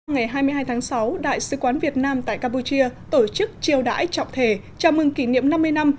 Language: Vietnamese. ngày hai mươi hai tháng sáu đại sứ quán việt nam tại campuchia tổ chức chiêu đãi trọng thể chào mừng kỷ niệm năm mươi năm